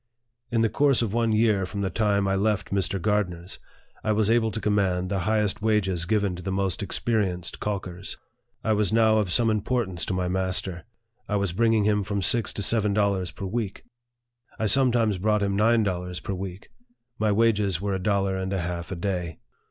In the course of one year from the time I left Mr. Gardner's, I was able to command the highest wages given to the most experienced calk ers. I was now of some importance to my master. I was bringing him from six to seven dollars per week. I sometimes brought him nine dollars per week : my wages were a dollar and a half a day.